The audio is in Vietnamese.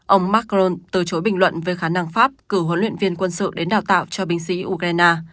ông macron từ chối bình luận về khả năng pháp cử huấn luyện viên quân sự đến đào tạo cho binh sĩ ukraine